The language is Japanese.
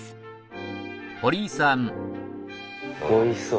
おいしそう。